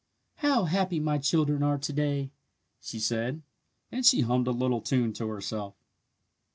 "How happy my children are to day!" she said, and she hummed a little tune to herself.